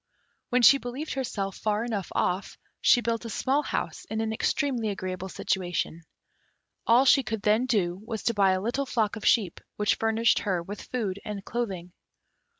When she believed herself far enough off, she built a small house in an extremely agreeable situation. All she could then do was to buy a little flock of sheep, which furnished her with food and clothing.